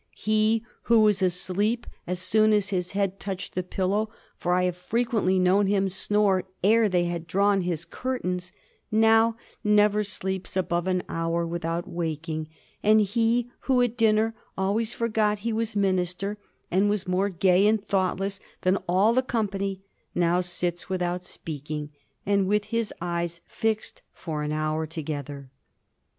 " He who was asleep as soon as his head touched the pillow — ^for I have frequently known him snore ere they had drawn his curtains — ^now never sleeps above an hour without waking ; and he who at dinner always forgot he was minister, and was more gay and thoughtless than all the company, now sits without speaking, and with his eyes fixed for an hour together."